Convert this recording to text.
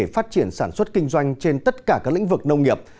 phát triển sản xuất kinh doanh trên tất cả các lĩnh vực nông nghiệp